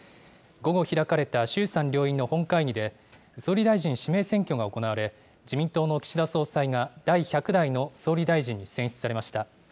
午後開かれた衆参両院の本会議で、総理大臣指名選挙が行われ、自民党の岸田総裁が第１００代の総理大臣に選出されました。